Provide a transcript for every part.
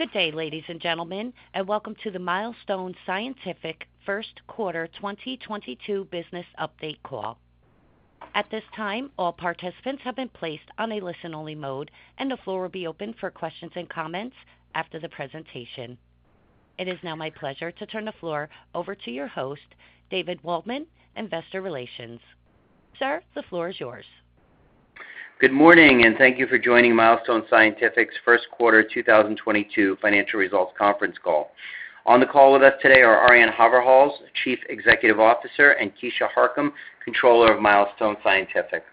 Good day, ladies and gentlemen, and welcome to the Milestone Scientific First Quarter 2022 Business Update Call. At this time, all participants have been placed on a listen-only mode, and the floor will be open for questions and comments after the presentation. It is now my pleasure to turn the floor over to your host, David Waldman, Investor Relations. Sir, the floor is yours. Good morning, and thank you for joining Milestone Scientific's first quarter 2022 financial results conference call. On the call with us today are Arjan Haverhals, Chief Executive Officer, and Keisha Harcum, Controller of Milestone Scientific.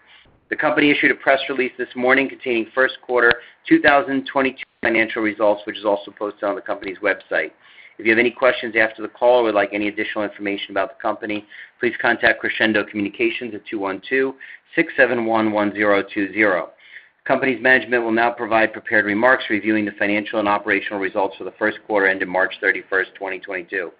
The company issued a press release this morning containing first quarter 2022 financial results, which is also posted on the company's website. If you have any questions after the call or would like any additional information about the company, please contact Crescendo Communications at 212-671-1020. Company's management will now provide prepared remarks reviewing the financial and operational results for the first quarter ending March 31, 2022.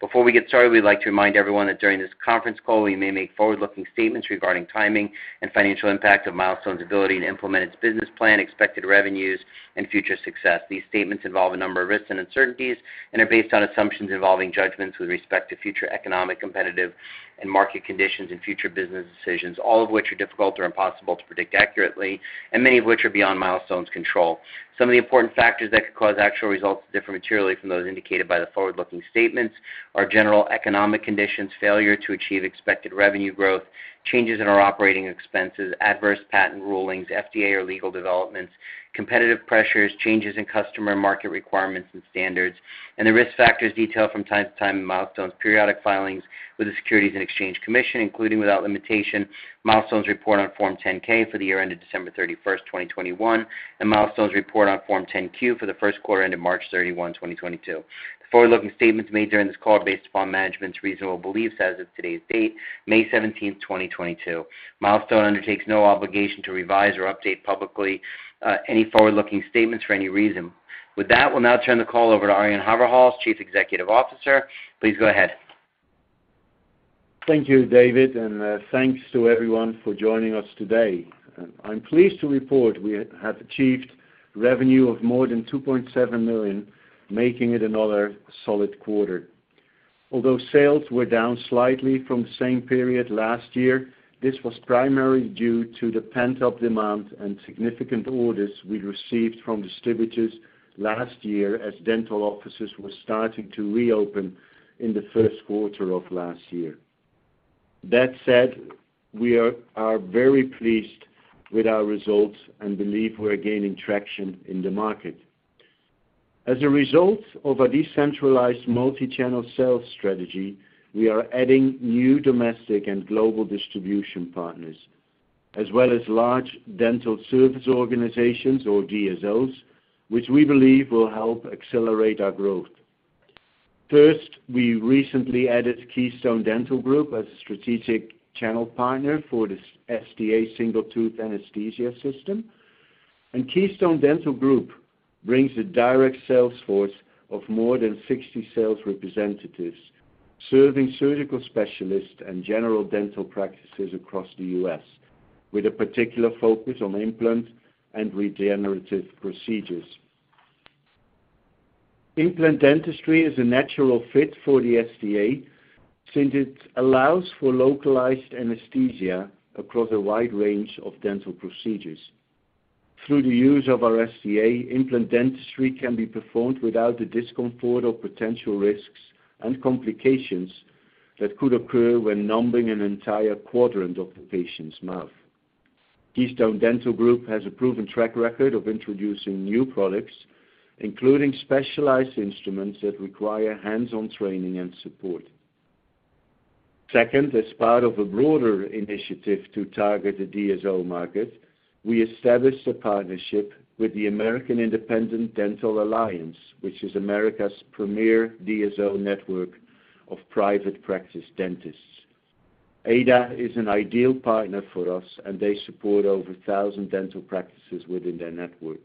Before we get started, we'd like to remind everyone that during this conference call, we may make forward-looking statements regarding timing and financial impact of Milestone's ability to implement its business plan, expected revenues, and future success. These statements involve a number of risks and uncertainties and are based on assumptions involving judgments with respect to future economic, competitive, and market conditions and future business decisions, all of which are difficult or impossible to predict accurately and many of which are beyond Milestone's control. Some of the important factors that could cause actual results to differ materially from those indicated by the forward-looking statements are general economic conditions, failure to achieve expected revenue growth, changes in our operating expenses, adverse patent rulings, FDA or legal developments, competitive pressures, changes in customer market requirements and standards, and the risk factors detailed from time to time in Milestone's periodic filings with the Securities and Exchange Commission, including, without limitation, Milestone's report on Form 10-K for the year ended December 31, 2021, and Milestone's report on Form 10-Q for the first quarter ending March 31, 2022. The forward-looking statements made during this call are based upon management's reasonable beliefs as of today's date, May 17, 2022. Milestone undertakes no obligation to revise or update publicly any forward-looking statements for any reason. With that, we'll now turn the call over to Arjan Haverhals, Chief Executive Officer. Please go ahead. Thank you, David, and thanks to everyone for joining us today. I'm pleased to report we have achieved revenue of more than $2.7 million, making it another solid quarter. Although sales were down slightly from the same period last year, this was primarily due to the pent-up demand and significant orders we received from distributors last year as dental offices were starting to reopen in the first quarter of last year. That said, we are very pleased with our results and believe we're gaining traction in the market. As a result of a decentralized multi-channel sales strategy, we are adding new domestic and global distribution partners, as well as large dental service organizations or DSOs, which we believe will help accelerate our growth. First, we recently added Keystone Dental Group as a strategic channel partner for the STA, Single Tooth Anesthesia System. Keystone Dental Group brings a direct sales force of more than 60 sales representatives, serving surgical specialists and general dental practices across the U.S., with a particular focus on implant and regenerative procedures. Implant dentistry is a natural fit for the AIDA since it allows for localized anesthesia across a wide range of dental procedures. Through the use of our AIDA, implant dentistry can be performed without the discomfort or potential risks and complications that could occur when numbing an entire quadrant of the patient's mouth. Keystone Dental Group has a proven track record of introducing new products, including specialized instruments that require hands-on training and support. Second, as part of a broader initiative to target the DSO market, we established a partnership with the American Independent Dental Alliance, which is America's premier DSO network of private practice dentists. AIDA is an ideal partner for us, and they support over 1,000 dental practices within their network.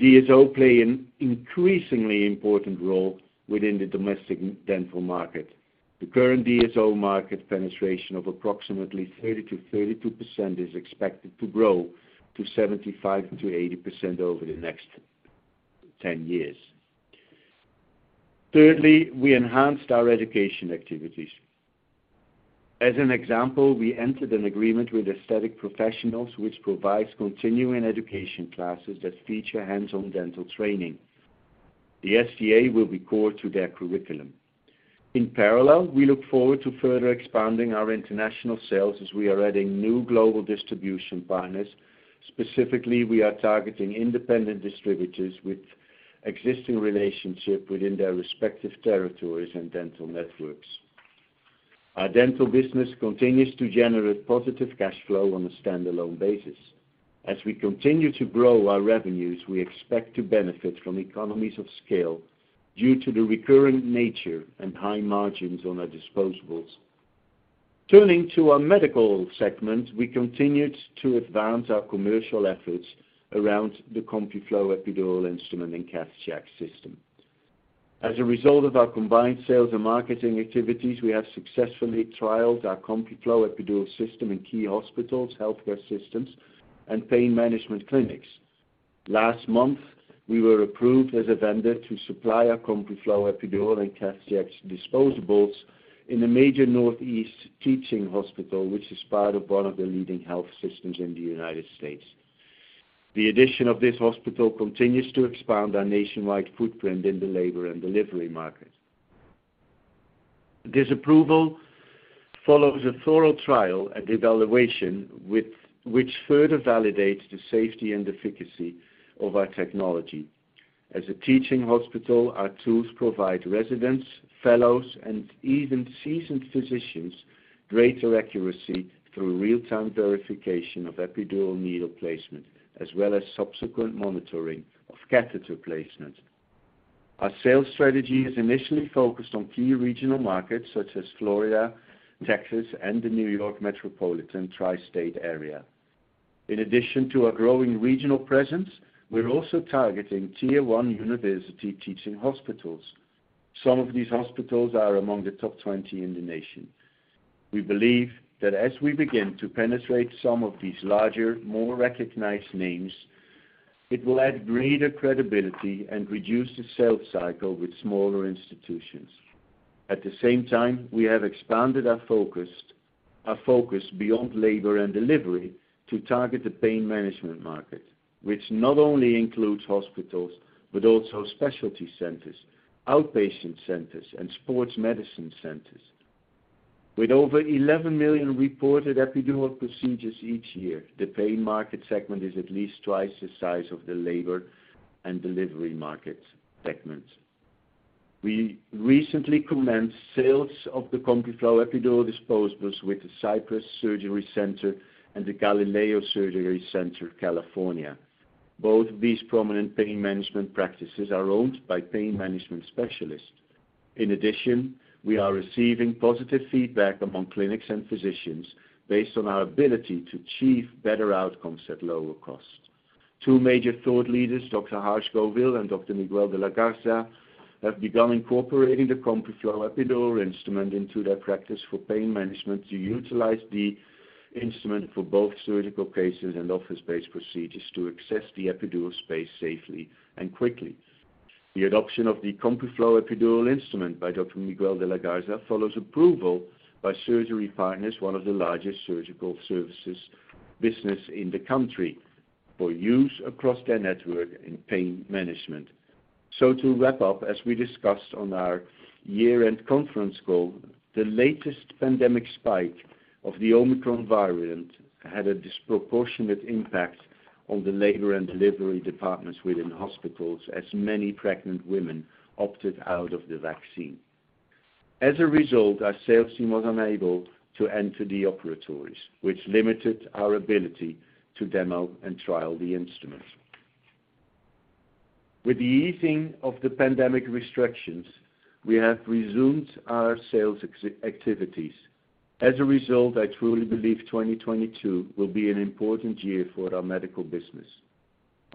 DSOs play an increasingly important role within the domestic dental market. The current DSO market penetration of approximately 30%-32% is expected to grow to 75%-80% over the next 10 years. Thirdly, we enhanced our education activities. As an example, we entered an agreement with Aesthetic Professionals, which provides continuing education classes that feature hands-on dental training. The STA will be core to their curriculum. In parallel, we look forward to further expanding our international sales as we are adding new global distribution partners. Specifically, we are targeting independent distributors with existing relationship within their respective territories and dental networks. Our dental business continues to generate positive cash flow on a standalone basis. As we continue to grow our revenues, we expect to benefit from economies of scale due to the recurring nature and high margins on our disposables. Turning to our medical segment, we continued to advance our commercial efforts around the CompuFlo epidural instrument and CathCheck system. As a result of our combined sales and marketing activities, we have successfully trialed our CompuFlo epidural system in key hospitals, healthcare systems, and pain management clinics. Last month, we were approved as a vendor to supply our CompuFlo epidural and CathCheck disposables in a major Northeast teaching hospital, which is part of one of the leading health systems in the United States. The addition of this hospital continues to expand our nationwide footprint in the labor and delivery market. This approval follows a thorough trial and evaluation with which further validates the safety and efficacy of our technology. As a teaching hospital, our tools provide residents, fellows, and even seasoned physicians greater accuracy through real-time verification of epidural needle placement, as well as subsequent monitoring of catheter placement. Our sales strategy is initially focused on key regional markets such as Florida, Texas, and the New York metropolitan tri-state area. In addition to our growing regional presence, we're also targeting tier-one university teaching hospitals. Some of these hospitals are among the top 20 in the nation. We believe that as we begin to penetrate some of these larger, more recognized names, it will add greater credibility and reduce the sales cycle with smaller institutions. At the same time, we have expanded our focus beyond labor and delivery to target the pain management market, which not only includes hospitals, but also specialty centers, outpatient centers, and sports medicine centers. With over 11 million reported epidural procedures each year, the pain market segment is at least twice the size of the labor and delivery market segment. We recently commenced sales of the CompuFlo epidural disposables with the Cypress Surgery Center and the Galileo Surgery Center of California. Both of these prominent pain management practices are owned by pain management specialists. In addition, we are receiving positive feedback among clinics and physicians based on our ability to achieve better outcomes at lower cost. Two major thought leaders, Dr. Harsh Govil and Dr. Miguel de la Garza, have begun incorporating the CompuFlo epidural instrument into their practice for pain management to utilize the instrument for both surgical cases and office-based procedures to access the epidural space safely and quickly. The adoption of the CompuFlo epidural instrument by Dr. Miguel de la Garza follows approval by Surgery Partners, one of the largest surgical services business in the country, for use across their network in pain management. To wrap up, as we discussed on our year-end conference call, the latest pandemic spike of the Omicron variant had a disproportionate impact on the labor and delivery departments within hospitals, as many pregnant women opted out of the vaccine. As a result, our sales team was unable to enter the operatories, which limited our ability to demo and trial the instrument. With the easing of the pandemic restrictions, we have resumed our sales activities. As a result, I truly believe 2022 will be an important year for our medical business.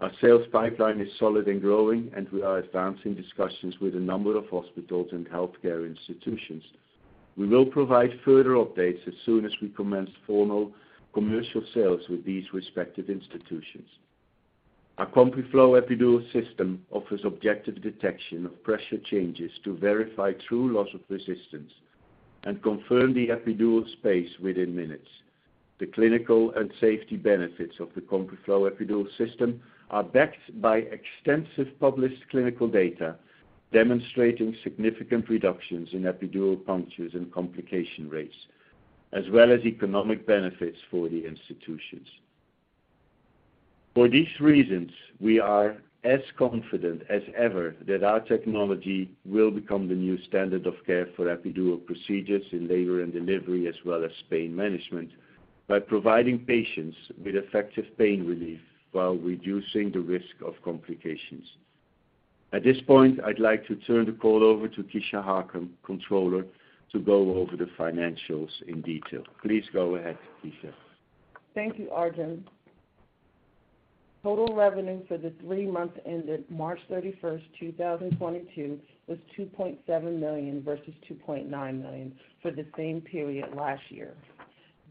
Our sales pipeline is solid and growing, and we are advancing discussions with a number of hospitals and healthcare institutions. We will provide further updates as soon as we commence formal commercial sales with these respective institutions. Our CompuFlo epidural system offers objective detection of pressure changes to verify true loss of resistance and confirm the epidural space within minutes. The clinical and safety benefits of the CompuFlo epidural system are backed by extensive published clinical data demonstrating significant reductions in epidural punctures and complication rates, as well as economic benefits for the institutions. For these reasons, we are as confident as ever that our technology will become the new standard of care for epidural procedures in labor and delivery, as well as pain management, by providing patients with effective pain relief while reducing the risk of complications. At this point, I'd like to turn the call over to Keisha Harcum, Controller, to go over the financials in detail. Please go ahead, Keisha. Thank you, Arjan. Total revenue for the three months ending March 31, 2022, was $2.7 million versus $2.9 million for the same period last year.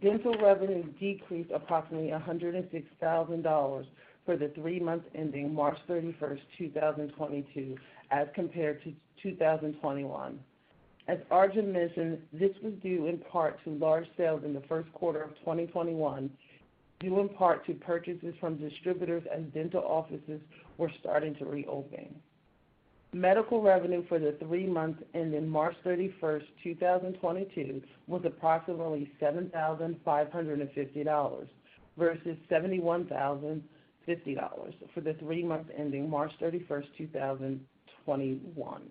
Dental revenue decreased approximately $106,000 for the three months ending March 31, 2022, as compared to 2021. As Arjan mentioned, this was due in part to large sales in the first quarter of 2021, due in part to purchases from distributors as dental offices were starting to reopen. Medical revenue for the three months ending March 31, 2022, was approximately $7,550 versus $71,050 for the three months ending March 31, 2021.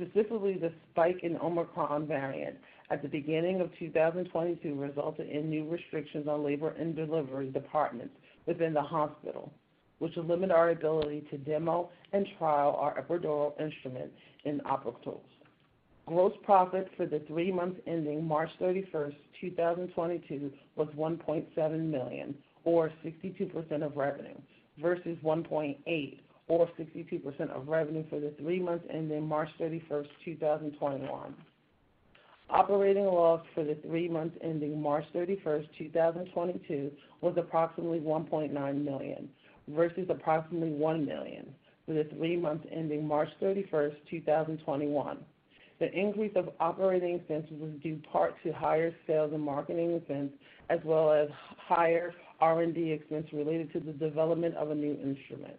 Specifically, the spike in Omicron variant at the beginning of 2022 resulted in new restrictions on labor and delivery departments within the hospital, which limited our ability to demo and trial our epidural instrument in operatories. Gross profit for the three months ending March 31, 2022 was $1.7 million, or 62% of revenue, versus $1.8 million or 62% of revenue for the three months ending March 31, 2021. Operating loss for the three months ending March 31, 2022 was approximately $1.9 million, versus approximately $1 million for the three months ending March 31, 2021. The increase of operating expenses was due in part to higher sales and marketing expense, as well as higher R&D expense related to the development of a new instrument.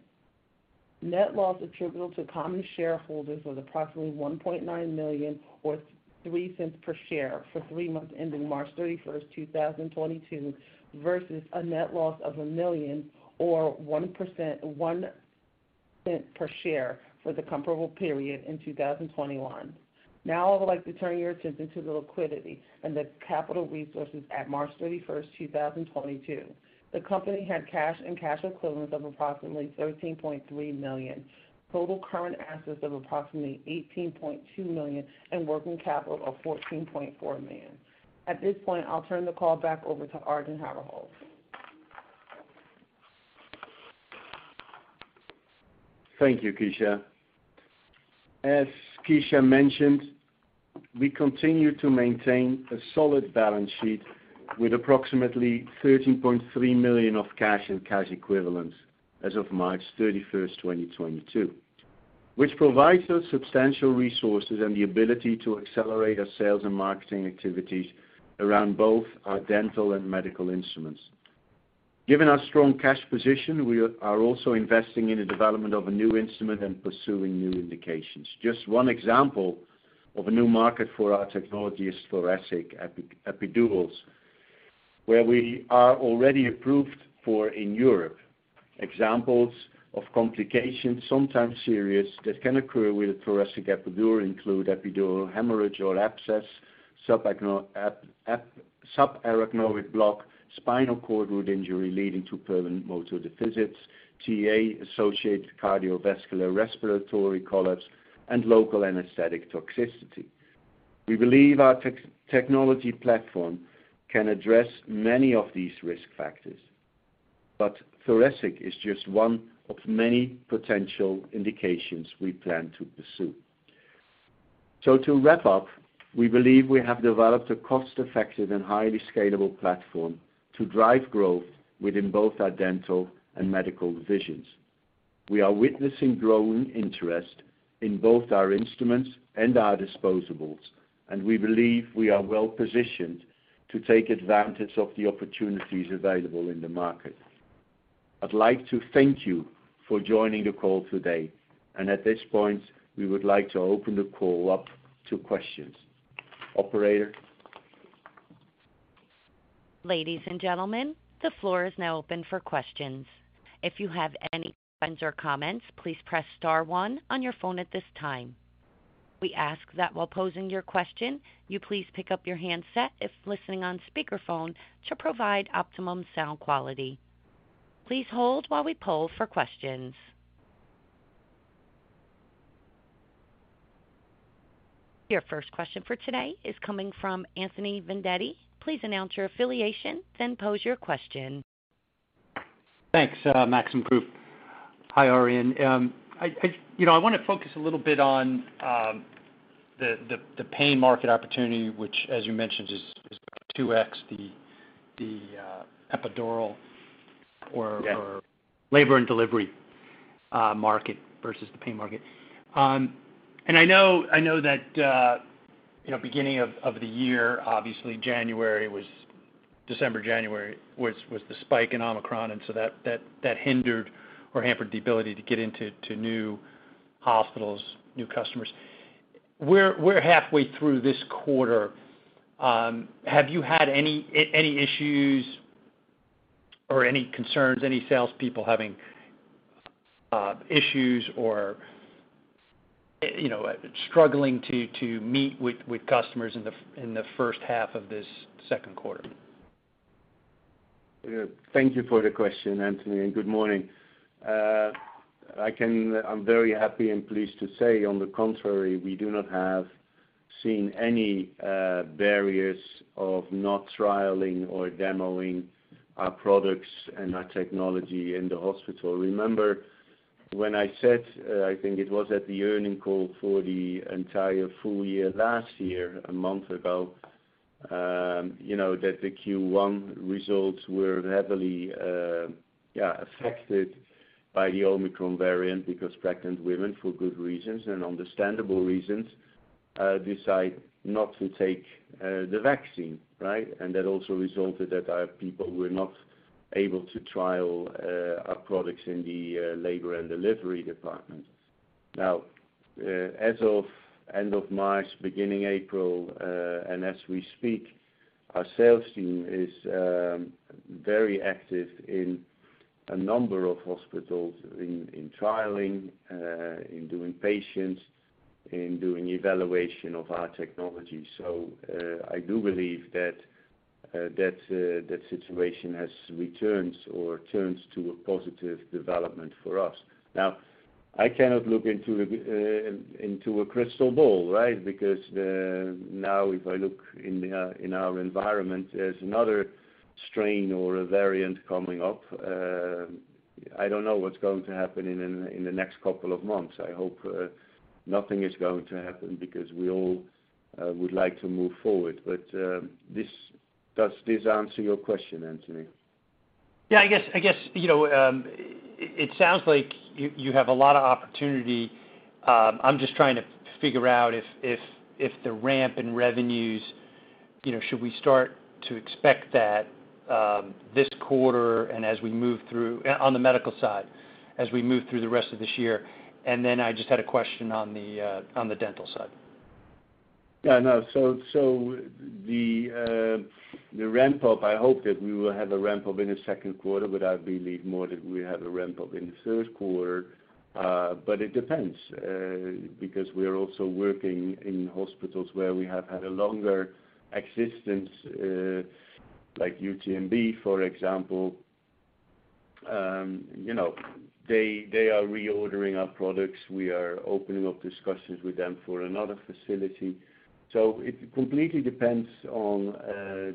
Net loss attributable to common shareholders was approximately $1.9 million or $0.03 per share for 3 months ending March 31, 2022 versus a net loss of $1 million or $0.01 per share for the comparable period in 2021. Now I would like to turn your attention to the liquidity and the capital resources at March 31, 2022. The company had cash and cash equivalents of approximately $13.3 million, total current assets of approximately $18.2 million, and working capital of $14.4 million. At this point, I'll turn the call back over to Arjan Haverhals. Thank you, Keisha. As Keisha mentioned, we continue to maintain a solid balance sheet with approximately $13.3 million of cash and cash equivalents as of March 31, 2022, which provides us substantial resources and the ability to accelerate our sales and marketing activities around both our dental and medical instruments. Given our strong cash position, we are also investing in the development of a new instrument and pursuing new indications. Just one example of a new market for our technology is thoracic epidurals, where we are already approved for in Europe. Examples of complications, sometimes serious, that can occur with a thoracic epidural include epidural hemorrhage or abscess, subarachnoid block, spinal cord root injury leading to permanent motor deficits, TA-associated cardiovascular respiratory collapse, and local anesthetic toxicity. We believe our technology platform can address many of these risk factors, but thoracic is just one of many potential indications we plan to pursue. To wrap up, we believe we have developed a cost-effective and highly scalable platform to drive growth within both our dental and medical divisions. We are witnessing growing interest in both our instruments and our disposables, and we believe we are well-positioned to take advantage of the opportunities available in the market. I'd like to thank you for joining the call today. At this point, we would like to open the call up to questions. Operator. Ladies and gentlemen, the floor is now open for questions. If you have any questions or comments, please press star one on your phone at this time. We ask that while posing your question, you please pick up your handset if listening on speakerphone to provide optimum sound quality. Please hold while we poll for questions. Your first question for today is coming from Anthony Vendetti. Please announce your affiliation, then pose your question. Thanks, Maxim Group. Hi, Arjan. I you know, I wanna focus a little bit on the paying market opportunity, which as you mentioned is 2x the epidural or- Yeah. Labor and delivery market versus the paying market. I know that you know beginning of the year, obviously December, January was the spike in Omicron, and so that hindered or hampered the ability to get into new hospitals, new customers. We're halfway through this quarter. Have you had any issues or any concerns, any sales people having issues or you know, struggling to meet with customers in the first half of this second quarter? Thank you for the question, Anthony, and good morning. I'm very happy and pleased to say, on the contrary, we have not seen any barriers of not trialing or demoing our products and our technology in the hospital. Remember when I said, I think it was at the earnings call for the entire full year last year, a month ago, you know, that the Q1 results were heavily affected by the Omicron variant because pregnant women, for good reasons and understandable reasons, decide not to take the vaccine, right? That also resulted that our people were not able to trial our products in the labor and delivery departments. Now, as of end of March, beginning April, and as we speak, our sales team is very active in a number of hospitals in trialing, in doing patients, in doing evaluation of our technology. I do believe that situation has returned or turns to a positive development for us. I cannot look into a crystal ball, right? Because if I look in our environment, there's another strain or a variant coming up. I don't know what's going to happen in the next couple of months. I hope nothing is going to happen because we all would like to move forward. Does this answer your question, Anthony? Yeah, I guess, you know, it sounds like you have a lot of opportunity. I'm just trying to figure out if the ramp in revenues, you know, should we start to expect that, this quarter and as we move through. On the medical side, as we move through the rest of this year. Then I just had a question on the dental side. Yeah, no. The ramp up, I hope that we will have a ramp up in the second quarter, but I believe more that we have a ramp up in the third quarter. It depends, because we are also working in hospitals where we have had a longer existence, like UTMB, for example. You know, they are reordering our products. We are opening up discussions with them for another facility. It completely depends on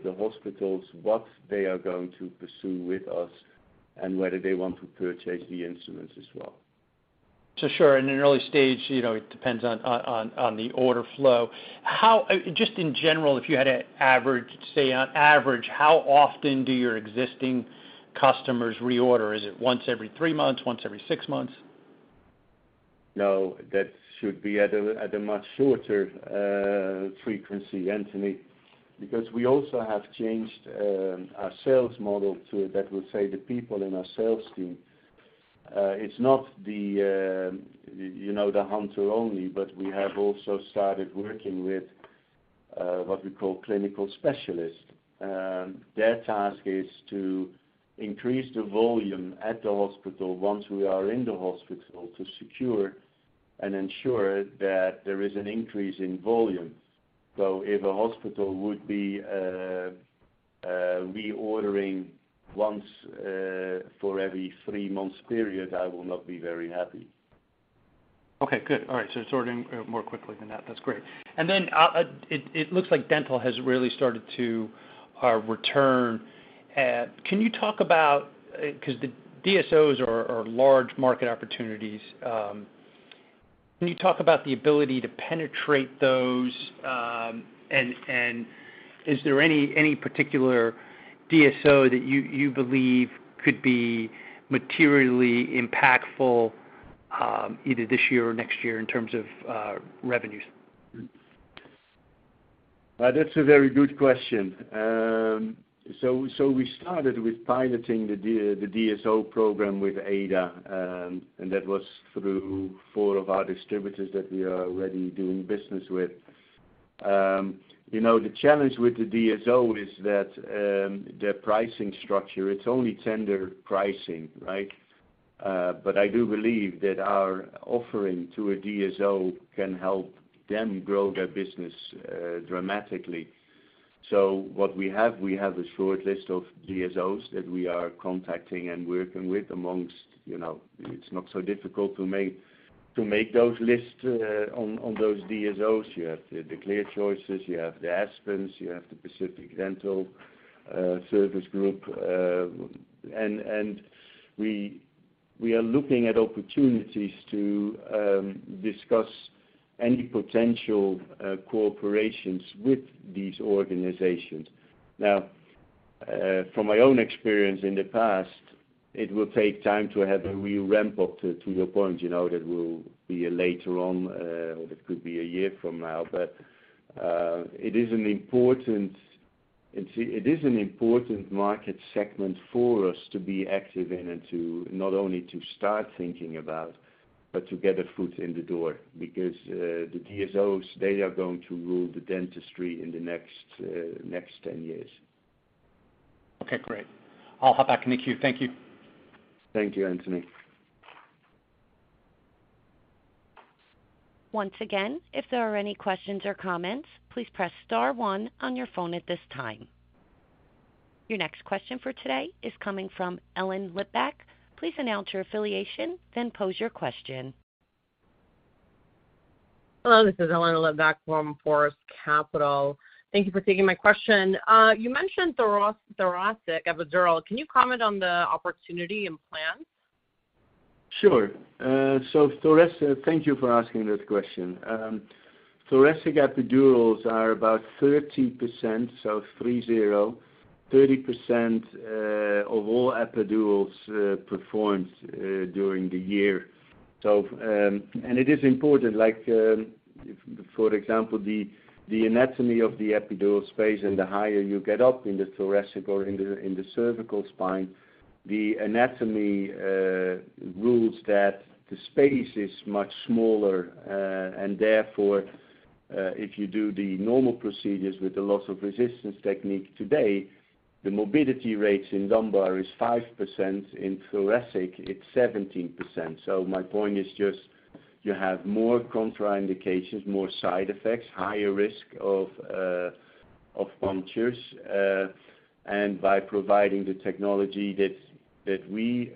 the hospitals, what they are going to pursue with us, and whether they want to purchase the instruments as well. Sure. In an early stage, you know, it depends on the order flow. Just in general, if you had to average, say, on average, how often do your existing customers reorder? Is it once every three months, once every six months? No, that should be at a much shorter frequency, Anthony. Because we also have changed our sales model to it, that would say the people in our sales team. It's not the, you know, the hunter only, but we have also started working with what we call clinical specialists. Their task is to increase the volume at the hospital once we are in the hospital to secure and ensure that there is an increase in volume. If a hospital would be reordering once for every three months period, I will not be very happy. Okay, good. All right, so it's ordering more quickly than that. That's great. It looks like dental has really started to return. Can you talk about 'cause the DSOs are large market opportunities. Can you talk about the ability to penetrate those? Is there any particular DSO that you believe could be materially impactful, either this year or next year in terms of revenues? That's a very good question. So we started with piloting the DSO program with AIDA, and that was through four of our distributors that we are already doing business with. You know, the challenge with the DSO is that, their pricing structure, it's only tender pricing, right? I do believe that our offering to a DSO can help them grow their business, dramatically. What we have, we have a short list of DSOs that we are contacting and working with amongst, you know, it's not so difficult to make those lists, on those DSOs. You have the ClearChoice, you have the Aspen Dental, you have the Pacific Dental Services. We are looking at opportunities to discuss any potential cooperations with these organizations. Now, from my own experience in the past, it will take time to have a real ramp up to your point, you know, that will be a later on, or that could be a year from now. It is an important market segment for us to be active in and to not only to start thinking about, but to get a foot in the door. Because, the DSOs, they are going to rule the dentistry in the next 10 years. Okay, great. I'll hop back in the queue. Thank you. Thank you, Anthony. Once again, if there are any questions or comments, please press star one on your phone at this time. Your next question for today is coming from Ellen Leback. Please announce your affiliation, then pose your question. Hello, this is Ellen Leback from Forest Capital. Thank you for taking my question. You mentioned thoracic epidural. Can you comment on the opportunity and plans? Sure. Thank you for asking that question. Thoracic epidurals are about 30% of all epidurals performed during the year. It is important, like, for example, the anatomy of the epidural space and the higher you get up in the thoracic or in the cervical spine, the anatomy rules that the space is much smaller. Therefore, if you do the normal procedures with the loss of resistance technique today, the morbidity rates in lumbar is 5%, in thoracic, it's 17%. My point is just you have more contraindications, more side effects, higher risk of punctures. By providing the technology that we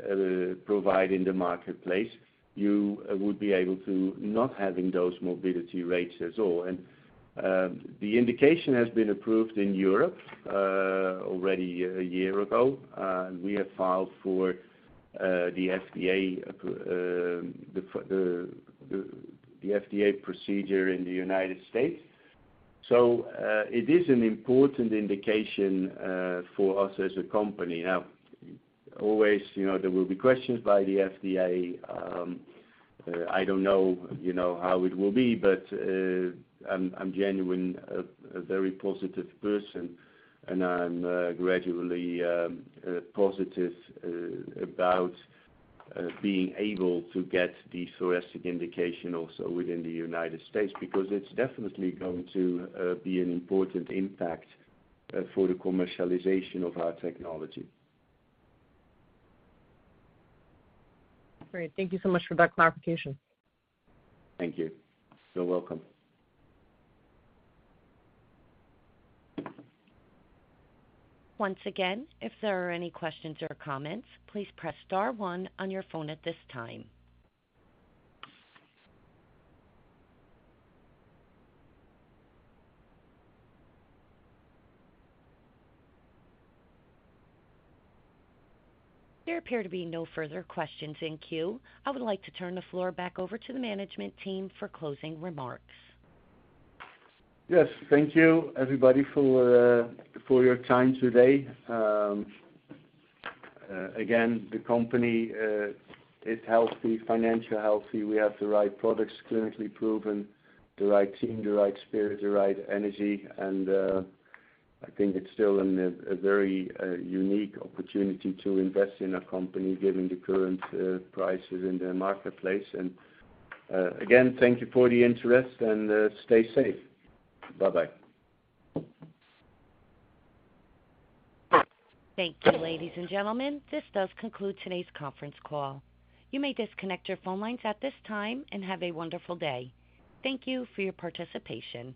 provide in the marketplace, you would be able to not having those morbidity rates at all. The indication has been approved in Europe already a year ago. We have filed for the FDA procedure in the United States. It is an important indication for us as a company. Now always, you know, there will be questions by the FDA. I don't know, you know, how it will be. I'm genuine, a very positive person, and I'm gradually positive about being able to get the thoracic indication also within the United States. Because it's definitely going to be an important impact for the commercialization of our technology. Great. Thank you so much for that clarification. Thank you. You're welcome. Once again, if there are any questions or comments, please press star one on your phone at this time. There appear to be no further questions in queue. I would like to turn the floor back over to the management team for closing remarks. Yes. Thank you everybody for your time today. Again, the company is healthy, financially healthy. We have the right products, clinically proven, the right team, the right spirit, the right energy. I think it's still a very unique opportunity to invest in a company given the current prices in the marketplace. Again, thank you for the interest and stay safe. Bye-bye. Thank you, ladies and gentlemen. This does conclude today's conference call. You may disconnect your phone lines at this time and have a wonderful day. Thank you for your participation.